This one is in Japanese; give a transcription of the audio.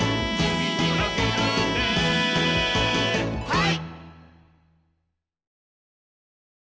はい！